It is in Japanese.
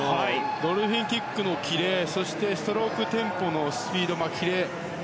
ドルフィンキックのキレそして、ストロークテンポのスピード、キレ。